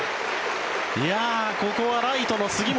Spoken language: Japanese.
ここはライトの杉本